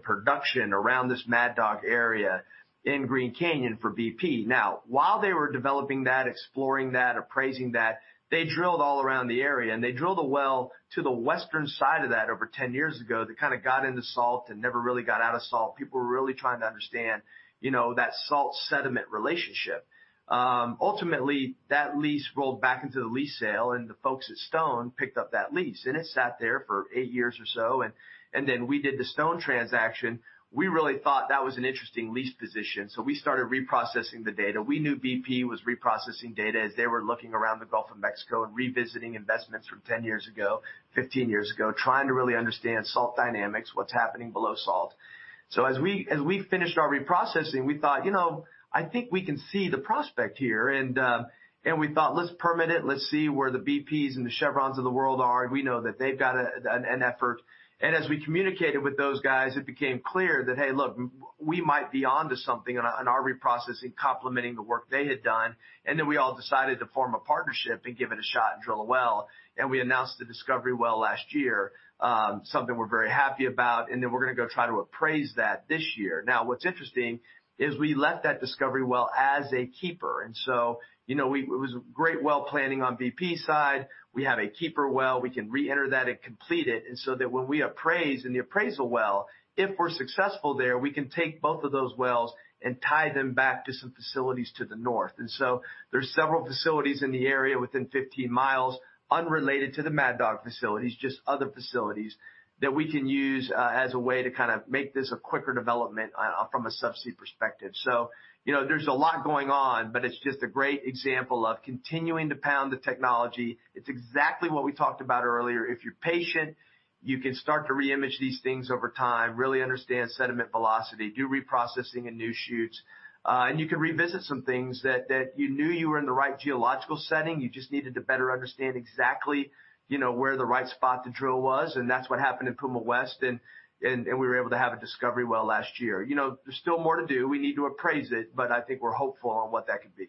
production around this Mad Dog area in Green Canyon for BP. Now, while they were developing that, exploring that, appraising that, they drilled all around the area, and they drilled a well to the western side of that over 10 years ago. They kinda got into salt and never really got out of salt. People were really trying to understand, you know, that salt-sediment relationship. Ultimately, that lease rolled back into the lease sale, and the folks at Stone picked up that lease, and it sat there for eight years or so. We did the Stone transaction. We really thought that was an interesting lease position, so we started reprocessing the data. We knew BP was reprocessing data as they were looking around the Gulf of Mexico and revisiting investments from 10 years ago, 15 years ago, trying to really understand salt dynamics, what's happening below salt. As we finished our reprocessing, we thought, "You know, I think we can see the prospect here." We thought, "Let's permit it. Let's see where the BPs and the Chevrons of the world are. We know that they've got an effort." As we communicated with those guys, it became clear that, "Hey, look, we might be onto something on our reprocessing complementing the work they had done." We all decided to form a partnership and give it a shot and drill a well. We announced the discovery well last year, something we're very happy about, and then we're gonna go try to appraise that this year. Now, what's interesting is we left that discovery well as a keeper. It was great well planning on BP's side. We have a keeper well. We can reenter that and complete it, and so that when we appraise in the appraisal well, if we're successful there, we can take both of those wells and tie them back to some facilities to the north. There's several facilities in the area within 15 miles unrelated to the Mad Dog facilities, just other facilities that we can use, as a way to kind of make this a quicker development, from a subsea perspective. You know, there's a lot going on, but it's just a great example of continuing to pound the technology. It's exactly what we talked about earlier. If you're patient, you can start to re-image these things over time, really understand sediment velocity, do reprocessing and new shoots. You can revisit some things that you knew you were in the right geological setting. You just needed to better understand exactly, you know, where the right spot to drill was, and that's what happened in Puma West and we were able to have a discovery well last year. You know, there's still more to do. We need to appraise it, but I think we're hopeful on what that could be.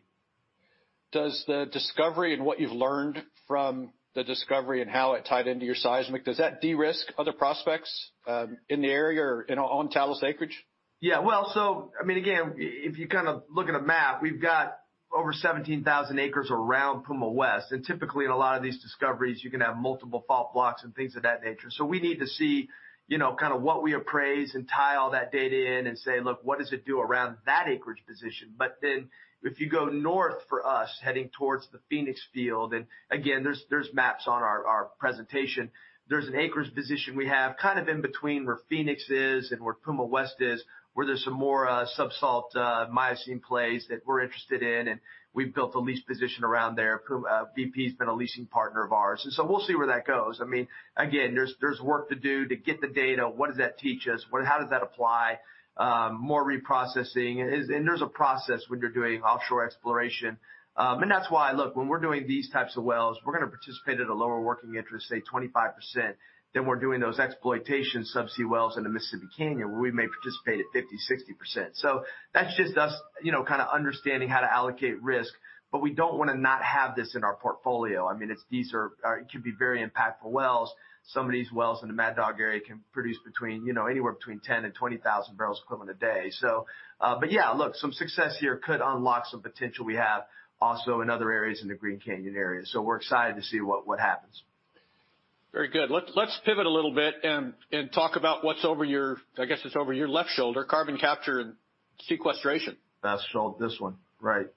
Does the discovery and what you've learned from the discovery and how it tied into your seismic, does that de-risk other prospects, in the area or, you know, on Talos acreage? Yeah. Well, I mean, again, if you kind of look at a map, we've got over 17,000 acres around Puma West. Typically, in a lot of these discoveries, you can have multiple fault blocks and things of that nature. We need to see, you know, kind of what we appraise and tie all that data in and say, "Look, what does it do around that acreage position?" If you go north for us, heading towards the Phoenix field, and again, there's maps on our presentation, there's an acreage position we have kind of in between where Phoenix is and where Puma West is, where there's some more subsalt Miocene plays that we're interested in, and we've built a lease position around there. BP's been a leasing partner of ours. We'll see where that goes. I mean, again, there's work to do to get the data. What does that teach us? What, how does that apply? More reprocessing. There's a process when you're doing offshore exploration. That's why, look, when we're doing these types of wells, we're gonna participate at a lower working interest, say 25%, than we're doing those exploitation subsea wells in the Mississippi Canyon, where we may participate at 50%, 60%. That's just us, you know, kinda understanding how to allocate risk. We don't wanna not have this in our portfolio. I mean, it could be very impactful wells. Some of these wells in the Mad Dog area can produce, you know, anywhere between 10,000 and 20,000 barrels equivalent a day. Yeah, look, some success here could unlock some potential we have also in other areas in the Green Canyon area. We're excited to see what happens. Very good. Let's pivot a little bit and talk about what's over your, I guess it's over your left shoulder, carbon capture and sequestration. That's this one, right?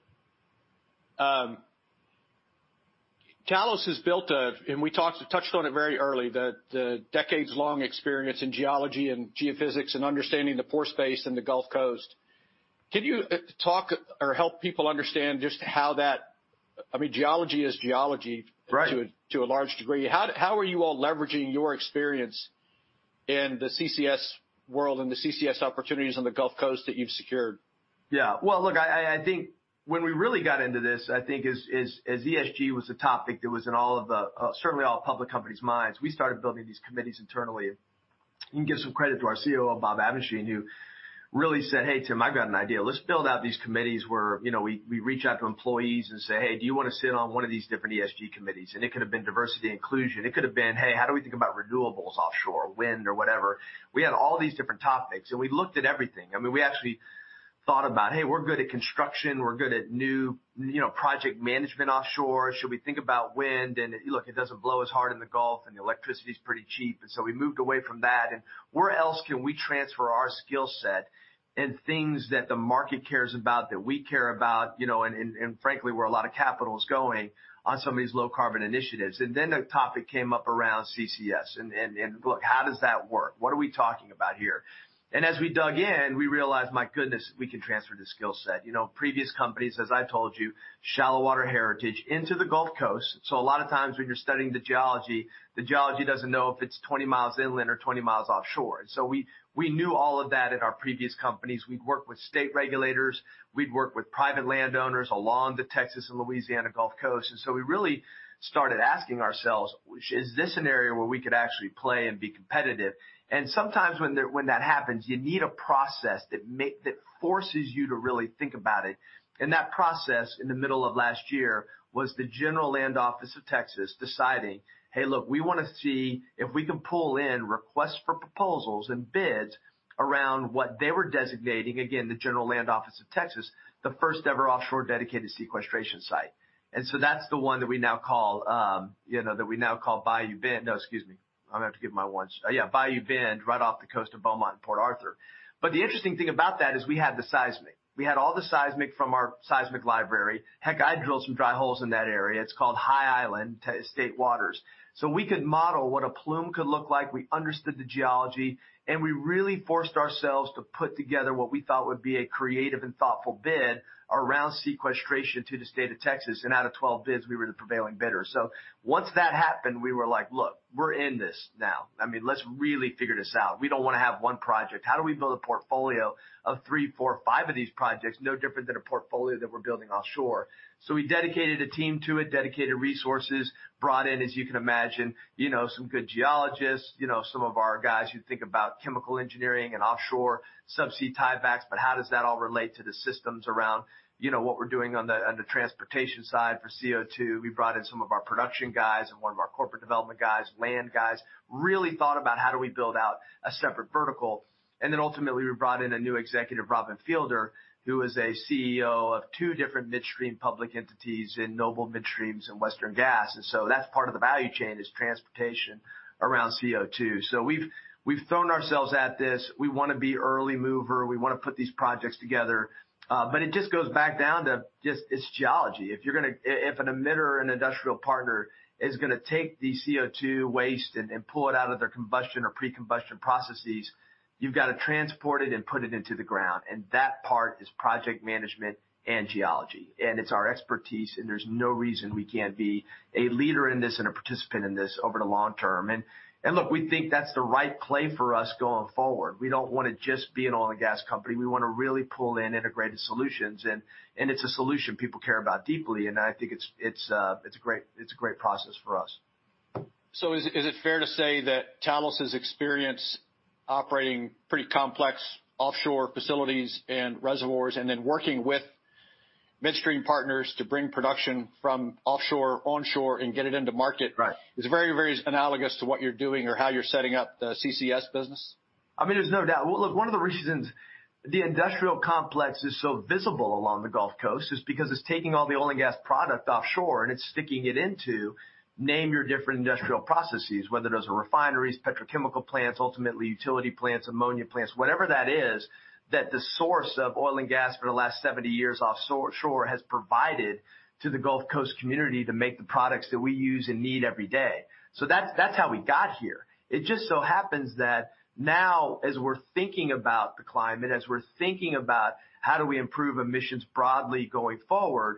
Talos has built a, and we talked, touched on it very early, the decades-long experience in geology and geophysics and understanding the pore space in the Gulf Coast. Can you talk or help people understand just how that. I mean, geology is geology. Right. to a large degree. How are you all leveraging your experience in the CCS world and the CCS opportunities on the Gulf Coast that you've secured? Yeah. Well, look, I think when we really got into this, I think as ESG was a topic that was in all of the certainly all public companies' minds, we started building these committees internally. You can give some credit to our COO, Bob Abendschein, who really said, "Hey, Tim, I've got an idea. Let's build out these committees where, you know, we reach out to employees and say, 'Hey, do you wanna sit on one of these different ESG committees?'" It could have been diversity inclusion. It could have been, "Hey, how do we think about renewables offshore, wind or whatever?" We had all these different topics, and we looked at everything. I mean, we actually thought about, "Hey, we're good at construction. We're good at new, you know, project management offshore. Should we think about wind? Look, it doesn't blow as hard in the Gulf, and the electricity is pretty cheap. We moved away from that. Where else can we transfer our skill set in things that the market cares about, that we care about, you know, and frankly, where a lot of capital is going on some of these low carbon initiatives. Then the topic came up around CCS. Look, how does that work? What are we talking about? As we dug in, we realized, my goodness, we can transfer the skill set. You know, previous companies, as I told you, shallow water heritage into the Gulf Coast. A lot of times when you're studying the geology, the geology doesn't know if it's 20 miles inland or 20 miles offshore. We knew all of that in our previous companies. We'd worked with state regulators, we'd worked with private landowners along the Texas and Louisiana Gulf Coast. We really started asking ourselves, is this an area where we could actually play and be competitive? Sometimes when that happens, you need a process that forces you to really think about it. That process in the middle of last year was the Texas General Land Office deciding, "Hey, look, we wanna see if we can pull in requests for proposals and bids around what they were designating, again, the Texas General Land Office, the first ever offshore dedicated sequestration site." That's the one that we now call Bayou Bend. No, excuse me. I'm gonna have to give my one. Yeah, Bayou Bend, right off the coast of Beaumont and Port Arthur. The interesting thing about that is we had the seismic. We had all the seismic from our seismic library. Heck, I drilled some dry holes in that area. It's called High Island state waters. We could model what a plume could look like. We understood the geology, and we really forced ourselves to put together what we thought would be a creative and thoughtful bid around sequestration to the state of Texas. Out of 12 bids, we were the prevailing bidder. Once that happened, we were like, "Look, we're in this now. I mean, let's really figure this out. We don't wanna have one project. How do we build a portfolio of three, four, five of these projects, no different than a portfolio that we're building offshore?" We dedicated a team to it, dedicated resources, brought in, as you can imagine, you know, some good geologists, you know, some of our guys you'd think about chemical engineering and offshore subsea tiebacks, but how does that all relate to the systems around, you know, what we're doing on the, on the transportation side for CO2? We brought in some of our production guys and one of our corporate development guys, land guys. Really thought about how do we build out a separate vertical. Ultimately, we brought in a new executive, Robin Fielder, who is a CEO of two different midstream public entities in Noble Midstream and Western Gas. That's part of the value chain, is transportation around CO2. We've thrown ourselves at this. We wanna be early mover. We wanna put these projects together. It just goes back down to just it's geology. If an emitter or an industrial partner is gonna take the CO2 waste and pull it out of their combustion or pre-combustion processes, you've got to transport it and put it into the ground. That part is project management and geology. It's our expertise, and there's no reason we can't be a leader in this and a participant in this over the long term. Look, we think that's the right play for us going forward. We don't wanna just be an oil and gas company. We wanna really pull in integrated solutions, and it's a solution people care about deeply. I think it's a great process for us. Is it fair to say that Talos's experience operating pretty complex offshore facilities and reservoirs and then working with midstream partners to bring production from offshore, onshore, and get it into market? Right. This is very, very analogous to what you're doing or how you're setting up the CCS business? I mean, there's no doubt. Well, look, one of the reasons the industrial complex is so visible along the Gulf Coast is because it's taking all the oil and gas product offshore, and it's sticking it into name your different industrial processes, whether those are refineries, petrochemical plants, ultimately utility plants, ammonia plants, whatever that is, that the source of oil and gas for the last 70 years offshore has provided to the Gulf Coast community to make the products that we use and need every day. That's how we got here. It just so happens that now, as we're thinking about the climate, as we're thinking about how do we improve emissions broadly going forward,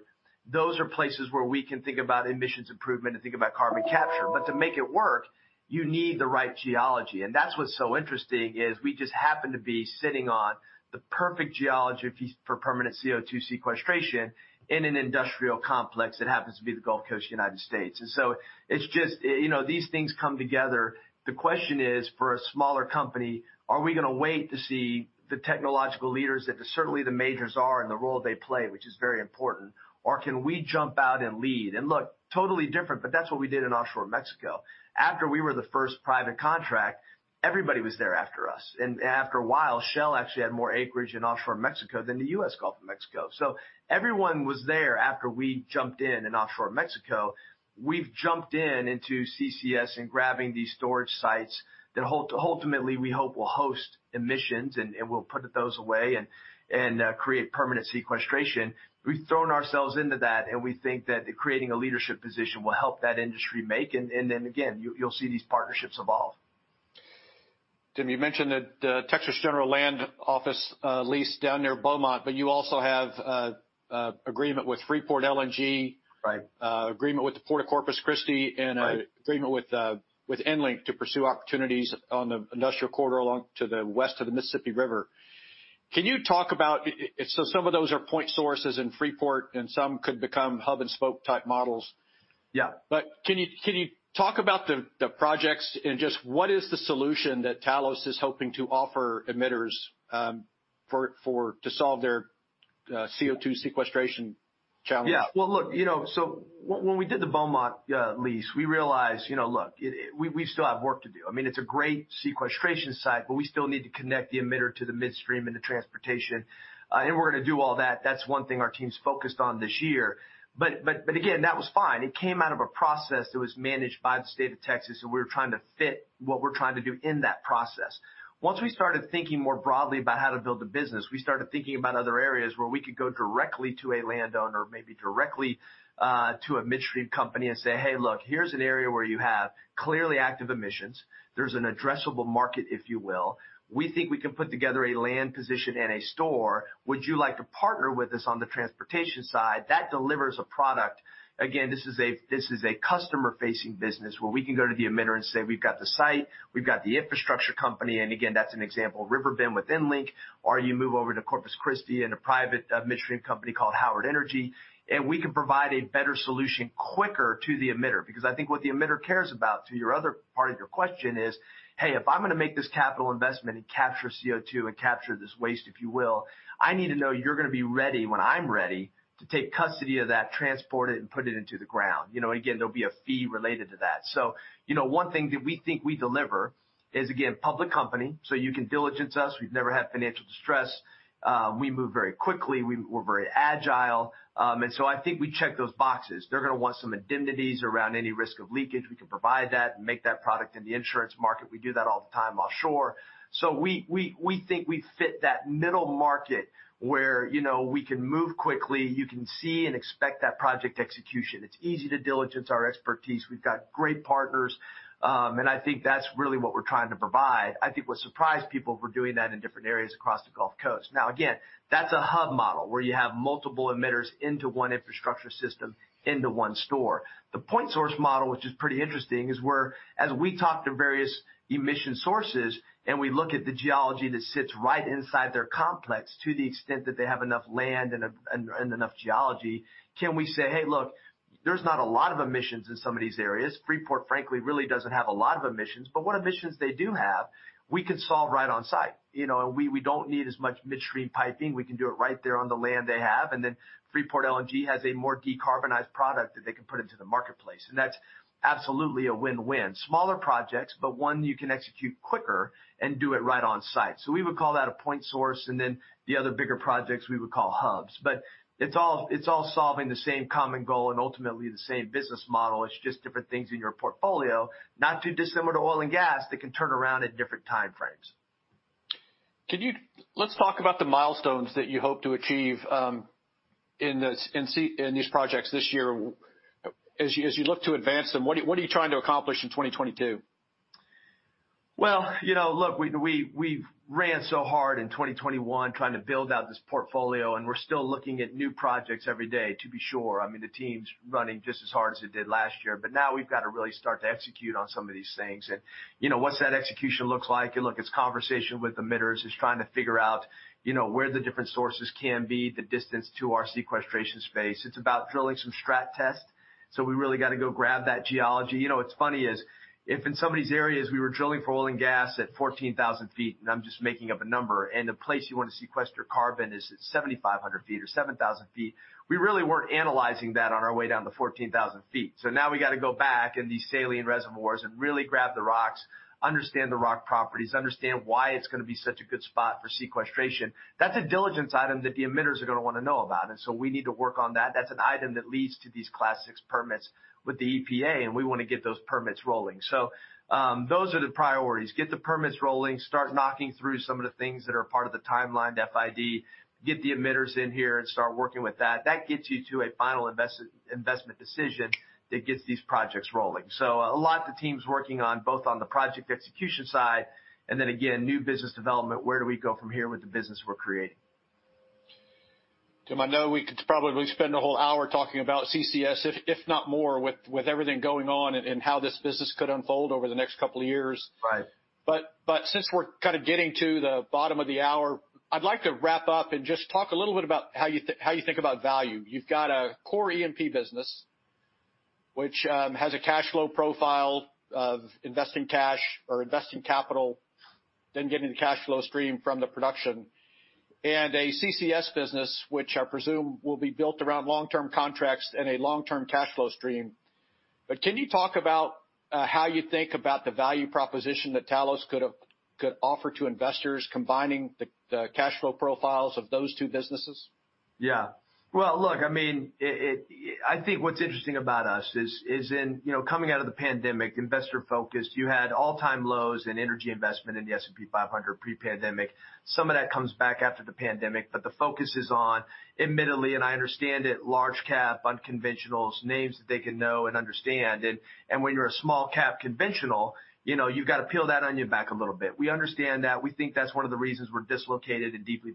those are places where we can think about emissions improvement and think about carbon capture. To make it work, you need the right geology. That's what's so interesting, is we just happen to be sitting on the perfect geology piece for permanent CO2 sequestration in an industrial complex that happens to be the Gulf Coast of the United States. It's just, you know, these things come together. The question is, for a smaller company, are we gonna wait to see the technological leaders that certainly the majors are and the role they play, which is very important, or can we jump out and lead? Look, totally different, but that's what we did in offshore Mexico. After we were the first private contract, everybody was there after us. After a while, Shell actually had more acreage in offshore Mexico than the U.S. Gulf of Mexico. Everyone was there after we jumped in in offshore Mexico. We've jumped into CCS and grabbing these storage sites that ultimately, we hope will host emissions, and we'll put those away and create permanent sequestration. We've thrown ourselves into that, and we think that creating a leadership position will help that industry make. Then again, you'll see these partnerships evolve. Tim, you mentioned that Texas General Land Office lease down near Beaumont, but you also have agreement with Freeport LNG. Right. agreement with the Port of Corpus Christi Right. an agreement with EnLink to pursue opportunities on the industrial corridor along the west of the Mississippi River. Can you talk about? Some of those are point sources in Freeport, and some could become hub and spoke type models. Yeah. Can you talk about the projects and just what is the solution that Talos is hoping to offer emitters to solve their CO2 sequestration challenge? Yeah. Well, look, you know, when we did the Beaumont lease, we realized, you know, look, we still have work to do. I mean, it's a great sequestration site, but we still need to connect the emitter to the midstream and the transportation. In order to do all that's one thing our team's focused on this year. But again, that was fine. It came out of a process that was managed by the State of Texas, and we were trying to fit what we're trying to do in that process. Once we started thinking more broadly about how to build the business, we started thinking about other areas where we could go directly to a landowner, maybe directly to a midstream company and say, "Hey, look, here's an area where you have clearly active emissions. There's an addressable market, if you will. We think we can put together a land position and a store. Would you like to partner with us on the transportation side?" That delivers a product. Again, this is a customer-facing business where we can go to the emitter and say, "We've got the site, we've got the infrastructure company." Again, that's an example, River Bend with EnLink, or you move over to Corpus Christi and a private midstream company called Howard Energy. We can provide a better solution quicker to the emitter. Because I think what the emitter cares about, to your other part of your question is, "Hey, if I'm gonna make this capital investment and capture CO2 and capture this waste, if you will, I need to know you're gonna be ready when I'm ready to take custody of that, transport it, and put it into the ground." You know, again, there'll be a fee related to that. You know, one thing that we think we deliver is, again, public company, so you can diligence us. We've never had financial distress. We move very quickly. We're very agile. I think we check those boxes. They're gonna want some indemnities around any risk of leakage. We can provide that and make that product in the insurance market. We do that all the time offshore. We think we fit that middle market where, you know, we can move quickly. You can see and expect that project execution. It's easy to diligence our expertise. We've got great partners. I think that's really what we're trying to provide. I think what surprised people, we're doing that in different areas across the Gulf Coast. Now, again, that's a hub model where you have multiple emitters into one infrastructure system into one storage. The point source model, which is pretty interesting, is where, as we talk to various emission sources, and we look at the geology that sits right inside their complex to the extent that they have enough land and enough geology, can we say, "Hey, look, there's not a lot of emissions in some of these areas." Freeport, frankly, really doesn't have a lot of emissions, but what emissions they do have, we can solve right on site. You know, we don't need as much midstream piping. We can do it right there on the land they have. Freeport LNG has a more decarbonized product that they can put into the marketplace. That's absolutely a win-win. Smaller projects, but one you can execute quicker and do it right on site. We would call that a point source, and then the other bigger projects we would call hubs. It's all solving the same common goal and ultimately the same business model. It's just different things in your portfolio, not too dissimilar to oil and gas, that can turn around at different time frames. Let's talk about the milestones that you hope to achieve in these projects this year. As you look to advance them, what are you trying to accomplish in 2022? Well, you know, look, we've ran so hard in 2021 trying to build out this portfolio, and we're still looking at new projects every day, to be sure. I mean, the team's running just as hard as it did last year. Now we've got to really start to execute on some of these things. You know, what's that execution looks like? Look, it's conversation with emitters. It's trying to figure out, you know, where the different sources can be, the distance to our sequestration space. It's about drilling some strat tests. We really gotta go grab that geology. You know, what's funny is if in some of these areas we were drilling for oil and gas at 14,000 feet, and I'm just making up a number, and the place you wanna sequester carbon is at 7,500 feet or 7,000 feet, we really weren't analyzing that on our way down to 14,000 feet. Now we gotta go back in these saline reservoirs and really grab the rocks, understand the rock properties, understand why it's gonna be such a good spot for sequestration. That's a diligence item that the emitters are gonna wanna know about, and so we need to work on that. That's an item that leads to these Class VI permits with the EPA, and we wanna get those permits rolling. Those are the priorities. Get the permits rolling, start knocking through some of the things that are part of the timeline, FID. Get the emitters in here and start working with that. That gets you to a final investment decision that gets these projects rolling. A lot of the team's working on both on the project execution side, and then again, new business development, where do we go from here with the business we're creating? Tim, I know we could probably spend a whole hour talking about CCS, if not more, with everything going on and how this business could unfold over the next couple of years. Right. Since we're kind of getting to the bottom of the hour, I'd like to wrap up and just talk a little bit about how you think about value. You've got a core E&P business, which has a cash flow profile of investing cash or investing capital, then getting the cash flow stream from the production. A CCS business, which I presume will be built around long-term contracts and a long-term cash flow stream. Can you talk about how you think about the value proposition that Talos could offer to investors combining the cash flow profiles of those two businesses? Well, look, I mean it. I think what's interesting about us is in, you know, coming out of the pandemic, investor focused. You had all-time lows in energy investment in the S&P 500 pre-pandemic. Some of that comes back after the pandemic. The focus is on, admittedly, and I understand it, large cap unconventionals, names that they can know and understand. When you're a small cap conventional, you know, you've got to peel that onion back a little bit. We understand that. We think that's one of the reasons we're dislocated and deeply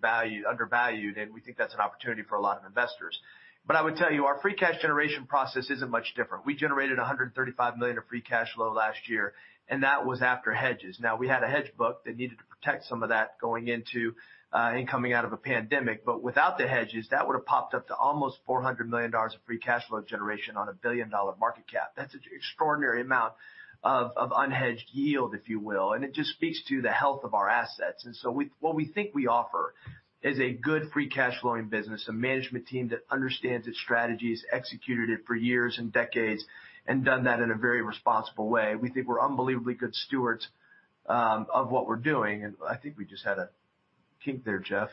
undervalued, and we think that's an opportunity for a lot of investors. I would tell you, our free cash generation process isn't much different. We generated $135 million of free cash flow last year, and that was after hedges. Now we had a hedge book that needed to protect some of that going into, and coming out of a pandemic. Without the hedges, that would have popped up to almost $400 million of free cash flow generation on a $1 billion-dollar market cap. That's an extraordinary amount of unhedged yield, if you will. It just speaks to the health of our assets. What we think we offer is a good free cash flowing business, a management team that understands its strategies, executed it for years and decades, and done that in a very responsible way. We think we're unbelievably good stewards of what we're doing. I think we just had a kink there, Jeff.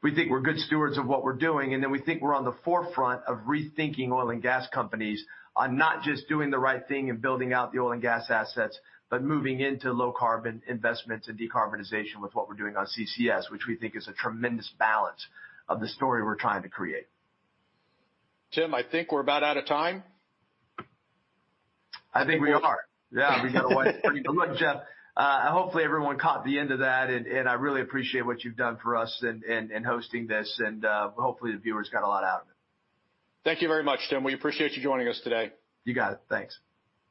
We think we're good stewards of what we're doing, and then we think we're on the forefront of rethinking oil and gas companies on not just doing the right thing and building out the oil and gas assets, but moving into low carbon investments and decarbonization with what we're doing on CCS, which we think is a tremendous balance of the story we're trying to create. Tim, I think we're about out of time. I think we are. Yeah. We got away pretty good, Jeff. Hopefully everyone caught the end of that. I really appreciate what you've done for us in hosting this. Hopefully the viewers got a lot out of it. Thank you very much, Tim. We appreciate you joining us today. You got it. Thanks.